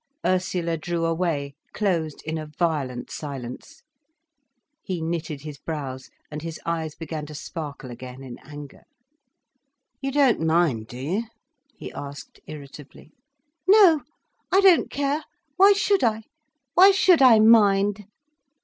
Ursula drew away, closed in a violent silence. He knitted his brows, and his eyes began to sparkle again in anger. "You don't mind, do you?" he asked irritably. "No, I don't care. Why should I? Why should I mind?"